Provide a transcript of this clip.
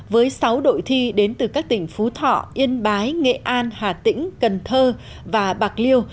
với sáu đội thi đến từ các tỉnh phú thọ yên bái nghệ an hà tĩnh cần thơ và bạc liêu